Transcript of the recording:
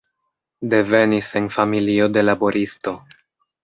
Devenis en familio de laboristo.